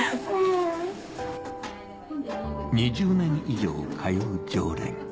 ２０年以上通う常連